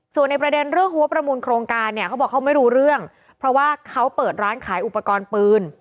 ส่วนในประเด็นเรื่องหัวประมูลโครงการเนี่ยเขาบอกเขาไม่รู้เรื่องเพราะว่าเขาเปิดร้านขายอุปกรณ์ปืน